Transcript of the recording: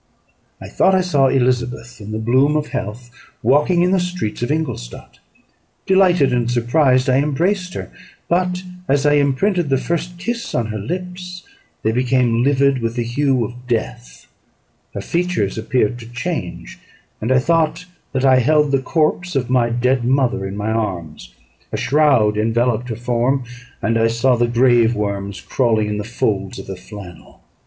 I thought I saw Elizabeth, in the bloom of health, walking in the streets of Ingolstadt. Delighted and surprised, I embraced her; but as I imprinted the first kiss on her lips, they became livid with the hue of death; her features appeared to change, and I thought that I held the corpse of my dead mother in my arms; a shroud enveloped her form, and I saw the grave worms crawling in the folds of the flannel.